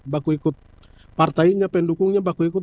baku ikut partainya pendukungnya baku ikut